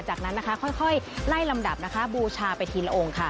จากนั้นนะคะค่อยไล่ลำดับนะคะบูชาไปทีละองค์ค่ะ